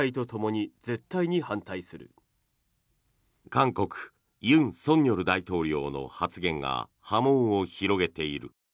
韓国、尹錫悦大統領の発言が波紋を広げている。